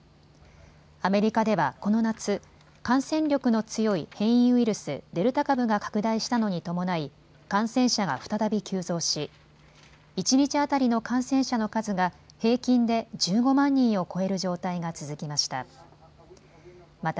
アメリカではこの夏、感染力の強い変異ウイルス、デルタ株が拡大したのに伴い感染者が再び急増し一日当たりの感染者の数が平均で１５万人を超える状態が続きました。